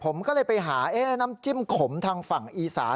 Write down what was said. ผมก็เลยไปหาน้ำจิ้มขมทางฝั่งอีสาน